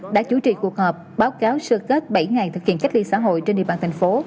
đã chủ trì cuộc họp báo cáo sơ kết bảy ngày thực hiện cách ly xã hội trên địa bàn thành phố